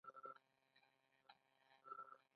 ښارونه ویران شول.